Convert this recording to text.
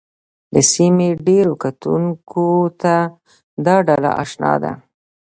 د سیمې ډېرو کتونکو ته دا ډله اشنا ده